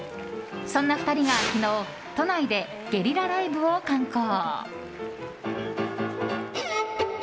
そんな２人が昨日都内でゲリラライブを敢行。